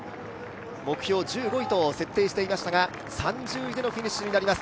目標１５位と設定していましたが、３０位でのフィニッシュになります。